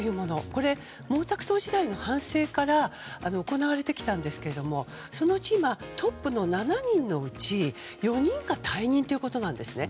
これ、毛沢東時代の反省から行われてきたんですけどもそのトップの７人のうち４人が退任ということなんですね。